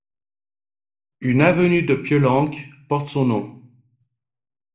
Une avenue de Piolenc porte son nom.